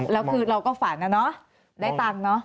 แล้วคือเราก็ฝันนะเนาะได้ตังค์เนอะ